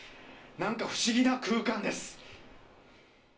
なんか不思議な空間です。